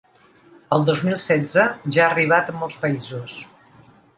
El dos mil setze ja ha arribat en molts països.